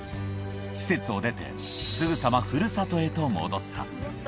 施設を出て、すぐさまふるさとへと戻った。